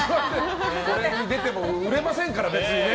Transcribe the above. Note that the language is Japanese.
これに出ても売れませんからね